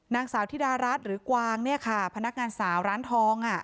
นางสาวธิดารัฐหรือกวางเนี่ยค่ะพนักงานสาวร้านทอง